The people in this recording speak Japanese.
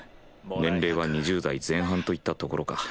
年齢は２０代前半といったところか。